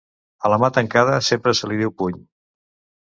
A la mà tancada sempre se li diu puny.